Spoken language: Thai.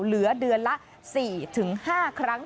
เหลือเดือนละ๔๕ครั้ง